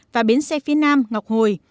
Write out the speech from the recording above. và bến xe phía nam ngọc hồi